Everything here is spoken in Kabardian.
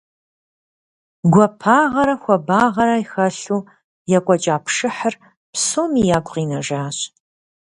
Гуапагъэрэ хуабагъэрэ хэлъу екӀуэкӀа пшыхьыр псоми ягу къинэжащ.